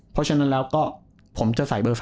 เพราะฉะนั้นแล้วก็ผมจะใส่เบอร์๓